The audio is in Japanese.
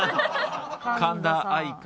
「神田愛花」